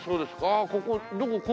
あっここどこ？